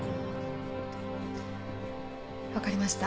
わかりました。